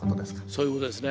そういうことですね。